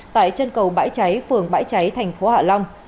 tại chân cầu bãi cháy phường bãi cháy thành phố hạ long